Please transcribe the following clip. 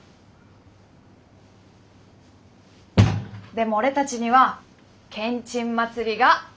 でも俺たちにはけんちん祭りがある！